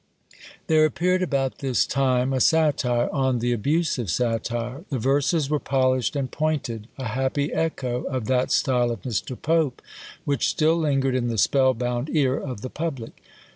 There appeared about this time a satire "On the Abuse of Satire." The verses were polished and pointed; a happy echo of that style of Mr. Pope which still lingered in the spell bound ear of the public.